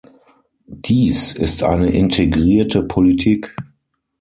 Dies ist eine integrierte Politik.